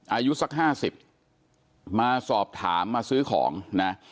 อายุสัก๕๐มาสอบถามมาซื้อของนะ